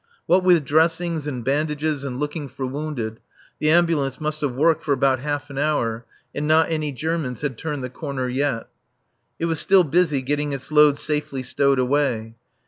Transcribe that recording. What with dressings and bandages and looking for wounded, the Ambulance must have worked for about half an hour, and not any Germans had turned the corner yet. It was still busy getting its load safely stowed away.